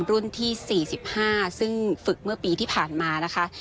รุ่นที่๔๕ซึ่งฝึกเมื่อปีที่ผ่านมานะคะ